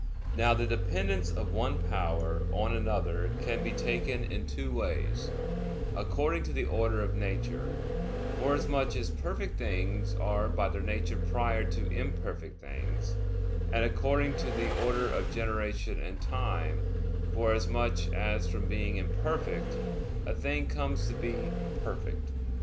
Now the dependence of one power on another can be taken in two ways; according to the order of nature, forasmuch as perfect things are by their nature prior to imperfect things; and according to the order of generation and time; forasmuch as from being imperfect, a thing comes to be perfect.